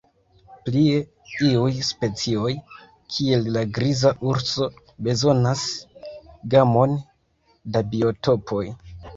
Plie, iuj specioj, kiel la griza urso, bezonas gamon da biotopoj.